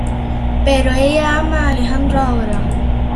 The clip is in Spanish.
Pero ella ama a Alejandro ahora.